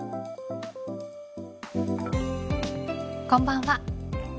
こんばんは。